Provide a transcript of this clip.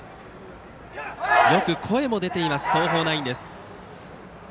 よく声も出ています、東邦ナイン。